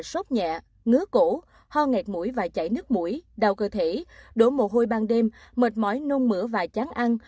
sốt nhẹ ngứa cổ ho ngạt mũi và chảy nước mũi đau cơ thể đổ mồ hôi ban đêm mệt mỏi nôn mửa và chán ăn